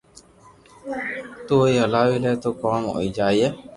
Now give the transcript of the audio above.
تو بي ھلاوي لي تو ڪوم ھوئي جائي